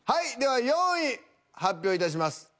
では４位発表いたします。